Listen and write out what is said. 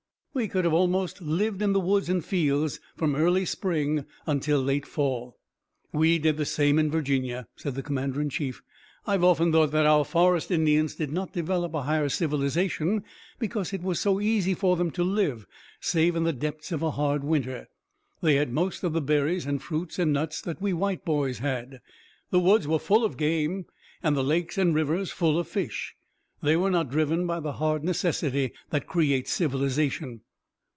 We could have almost lived in the woods and fields from early spring until late fall." "We did the same in Virginia," said the commander in chief. "I've often thought that our forest Indians did not develop a higher civilization, because it was so easy for them to live, save in the depths of a hard winter. They had most of the berries and fruits and nuts that we white boys had. The woods were full of game, and the lakes and rivers full of fish. They were not driven by the hard necessity that creates civilization."